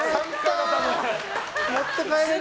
持って帰れる。